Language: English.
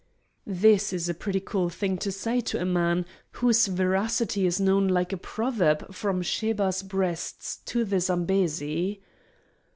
This was a pretty cool thing to say to a man whose veracity is known like a proverb from Sheba's Breasts to the Zambesi.